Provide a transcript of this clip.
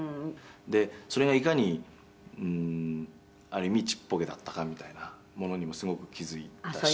「でそれがいかにある意味ちっぽけだったかみたいなものにもすごく気付いたし」